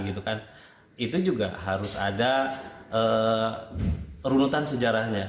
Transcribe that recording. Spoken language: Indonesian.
itu juga harus ada runutan sejarahnya